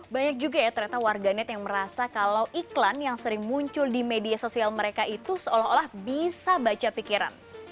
banyak juga ya ternyata warganet yang merasa kalau iklan yang sering muncul di media sosial mereka itu seolah olah bisa baca pikiran